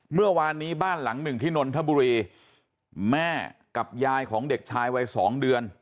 เมื่อวานนี้บ้านหลังหนึ่งที่นนทบุรีแม่กับยายของเด็กชายวัยสองเดือน